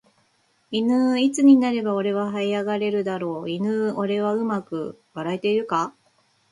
いぬーいつになれば俺は這い上がれるだろういぬー俺はうまく笑えているか